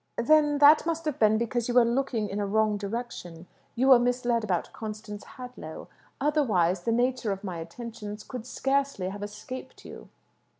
"Then that must have been because you were looking in a wrong direction. You were misled about Constance Hadlow; otherwise, the nature of my attentions could scarcely have escaped you."